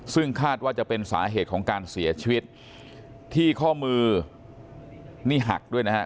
ซึ่งคาดว่าจะเป็นสาเหตุของการเสียชีวิตที่ข้อมือนี่หักด้วยนะฮะ